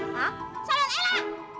hah salam ella